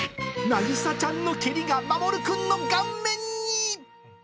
なぎさちゃんの蹴りがマモルくんの顔面に。